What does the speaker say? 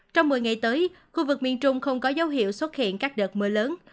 trong một mươi ngày tới khu vực miền trung không có dấu hiệu xuất hiện các đợt mưa lớn